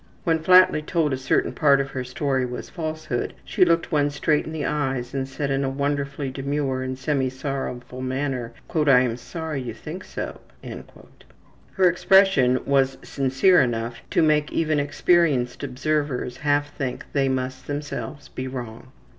When flatly told a certain part of her story was falsehood, she looked one straight in the eyes and said in a wonderfully demure and semi sorrowful manner, ``I am sorry you think so.'' Her expression was sincere enough to make even experienced observers half think they must themselves be wrong.